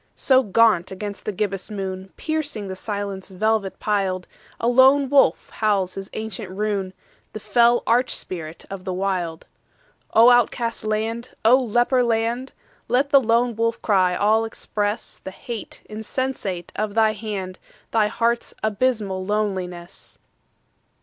So gaunt against the gibbous moon, Piercing the silence velvet piled, A lone wolf howls his ancient rune— The fell arch spirit of the Wild. O outcast land! O leper land! Let the lone wolf cry all express The hate insensate of thy hand, Thy heart's abysmal loneliness.